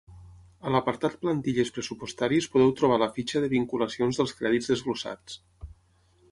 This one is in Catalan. A l'apartat plantilles pressupostàries podeu trobar la fitxa de vinculacions dels crèdits desglossats.